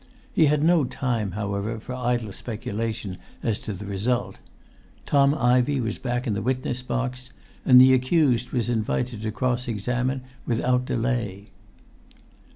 He had no time, however, for idle speculation as to the result. Tom Ivey was back in the witness box, and the accused was invited to cross examine without delay.